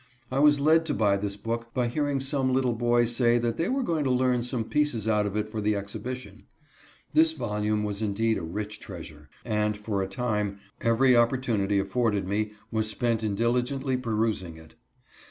I was 'led to buy this book by hearing some little boys say that they were going to learn some pieces out of it for the exhi bition. This volume was indeed a rich treasure, and, for a time, every opportunity afforded me was spent in diligently perusing it.